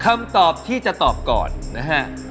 คำตอบที่จะตอบก่อนนะฮะ